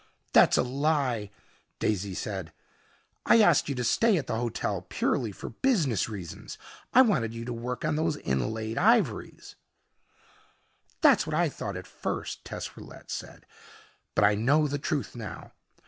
"That's a lie," Daisy said. "I asked you to stay at the hotel purely for business reasons. I wanted you to work on those inlaid ivories " "That's what I thought at first," Tess Rillette said. "But I know the truth now.